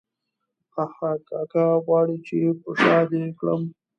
هاهاها که غواړې چې په شاه دې کړم.